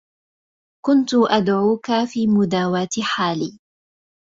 كنت أدعوك في مداواة حالي